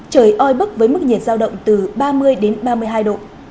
trời oi bức với mức nhiệt giao động từ ba mươi đến ba mươi hai độ